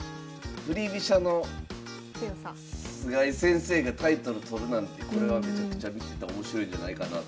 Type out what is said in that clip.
振り飛車の菅井先生がタイトル取るなんてこれは見ててめちゃくちゃ面白いんじゃないかなと。